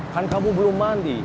kan kamu belum mandi